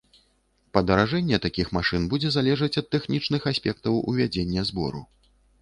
Падаражэнне такіх машын будзе залежаць ад тэхнічных аспектаў ўвядзення збору.